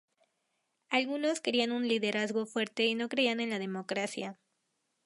Algunos querían un liderazgo fuerte y no creían en la democracia.